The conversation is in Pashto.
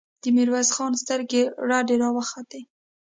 د ميرويس خان سترګې رډې راوختې!